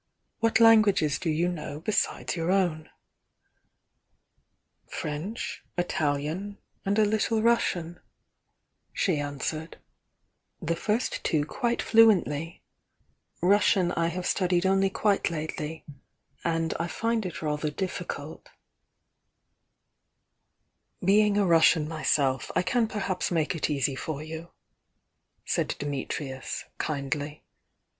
What languages do you know besides your own?" "French, Italian and a little Russian," she an I! 108 THE YOUXG DIANA swere;'. "The two first quite fluently,— Russian I have studied only quite lately — and I find it rather difficult " "Being a Russian myself I can perhaps Uiolcc it easy for you," said Dimitrius, kindly.